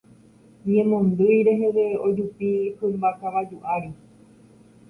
Ñemondýi reheve ojupi hymba kavaju ári.